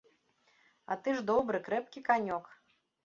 А ты ж добры, крэпкі канёк.